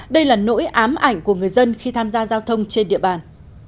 đây là nỗi ám ảnh của người dân khi tham gia giao thông trên địa bàn